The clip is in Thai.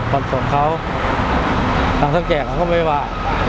ก่อนส่งเขาหลังจากแก่เราก็ไม่ว่า